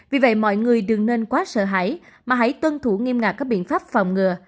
vì vậy mọi người đừng nên quá sợ hãi mà hãy tuân thủ nghiêm ngặt các biện pháp phòng ngừa